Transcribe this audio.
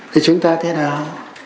thế chúng ta thế nào